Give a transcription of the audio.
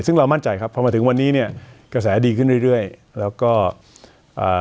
ซึ่งเรามั่นใจครับพอมาถึงวันนี้เนี่ยกระแสดีขึ้นเรื่อยเรื่อยแล้วก็อ่า